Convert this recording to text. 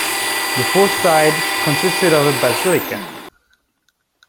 The fourth side consisted of a basilica.